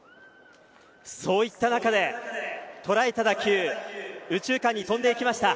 そういった中で、とらえた打球右中間に飛んでいきました。